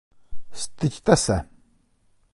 Styďte se!